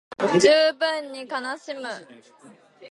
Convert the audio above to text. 十分に悲しむ